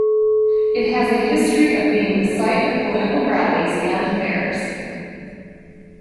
It has a history of being the site of political rallies and fairs.